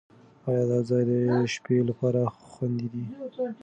ایا دا ځای د شپې لپاره خوندي دی؟